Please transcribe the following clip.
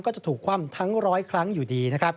ก็จะถูกคว่ำทั้งร้อยครั้งอยู่ดีนะครับ